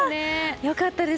良かったです。